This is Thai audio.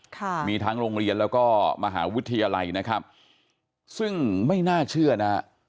ค่ะมีทั้งโรงเรียนแล้วก็มหาวิทยาลัยนะครับซึ่งไม่น่าเชื่อนะฮะ